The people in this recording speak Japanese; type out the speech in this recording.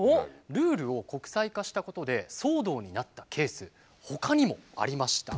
ルールを国際化したことで騒動になったケースほかにもありました。